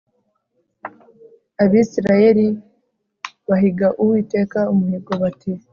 Abisirayeli bahiga Uwiteka umuhigo bati